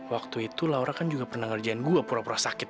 waktu itu laura kan juga pernah ngerjain gue pura pura sakit